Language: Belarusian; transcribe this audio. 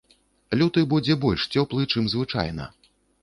Люты будзе больш цёплы, чым звычайна.